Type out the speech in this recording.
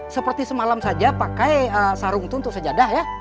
seperti semalam saja pakai sarung itu untuk sejadah ya